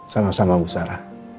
sama sama bu sarah